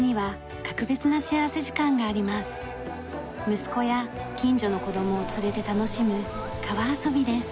息子や近所の子どもを連れて楽しむ川遊びです。